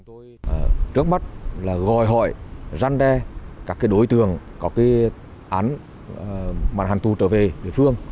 trước mắt là gọi hỏi răn đe các đối tượng có án màn hàn thu trở về địa phương